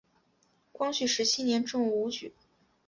光绪十七年中武举。